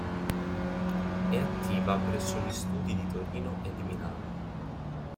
È attiva presso gli studi di Torino e di Milano.